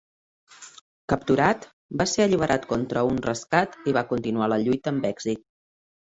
Capturat, va ser alliberat contra un rescat i va continuar la lluita amb èxit.